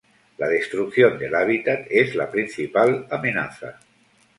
La destrucción del hábitat es la principal amenaza.